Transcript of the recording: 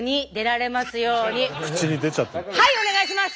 はいお願いします！